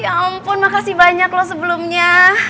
ya ampun makasih banyak loh sebelumnya